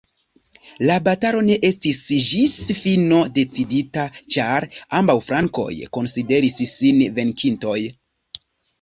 La batalo ne estis ĝis fino decidita ĉar ambaŭ flankoj konsideris sin venkintoj.